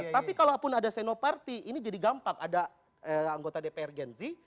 tapi kalaupun ada senoparty ini jadi gampang ada anggota dpr gen z